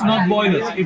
anda melihat ini